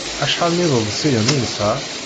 Acḥal n iḍefsiyen i nesɛa?